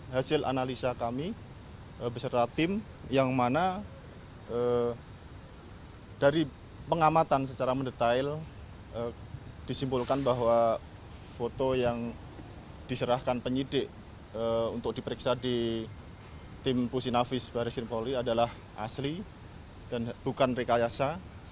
hasil analisa kami berserah tim yang mana dari pengamatan secara mendetail disimpulkan bahwa foto yang diserahkan penyidik untuk diperiksa di tim pusinafis barisir polri adalah asli dan bukan rekayasa